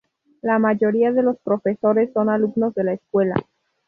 La mayoría de los profesores son alumnos de la escuela.